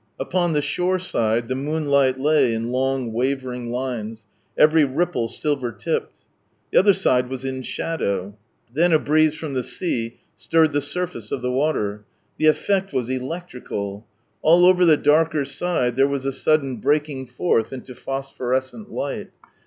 Upon the shore side, the moon light lay in long wavering lines, every ripple silver tipped. The other side was in i shadow, Then a breeze from the sea stirred the surface of the water. The effect was electrical. All over the darker side, there was a sudden breaking forth into phosphorescent light.